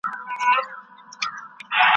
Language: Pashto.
له میو چي پرهېز کوم پر ځان مي ژړا راسي